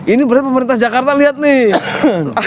ini berarti pemerintah jakarta lihat nih